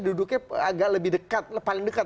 duduknya agak lebih dekat paling dekat